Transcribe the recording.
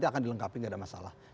pasti dilengkapi enggak ada masalah